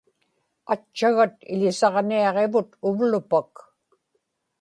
atchagat iḷisaġniaġivut uvlupak